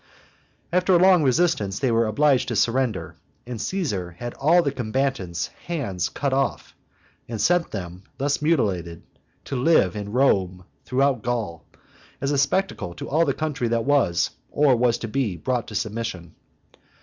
After a long resistance they were obliged to surrender, and Caesar had all the combatants' hands cut off, and sent them, thus mutilated, to live and rove throughout Gaul, as a spectacle to all the country that was, or was to be, brought to submission.